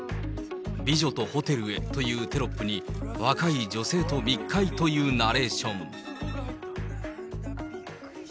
美女とホテルへというテロップに、若い女性と密会というナレーション。